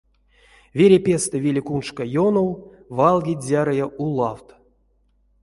Верепестэ велекуншка ёнов валгить зярыя улавт.